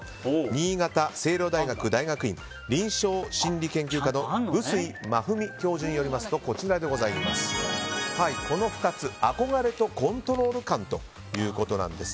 新潟青陵大学大学院臨床心理研究科の碓井真史教授によりますとこの２つは憧れとコントロール感ということなんです。